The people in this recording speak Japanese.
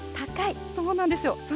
そうなんですよ。